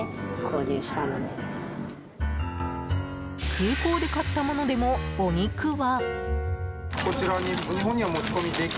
空港で買ったものでもお肉は。